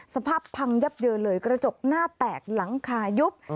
สภาพพังยับเยินเลยกระจกหน้าแตกหลังคายุบ